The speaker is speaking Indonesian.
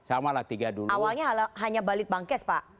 awalnya hanya balit bangkes pak